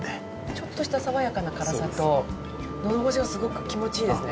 ちょっとした爽やかな辛さとのどごしがすごく気持ちいいですね。